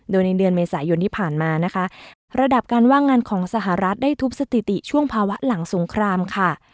โดยในเดือนเมษายนที่ผ่านมานะคะระดับการว่างงานของสหรัฐได้ทุบสถิติช่วงภาวะหลังสงครามค่ะ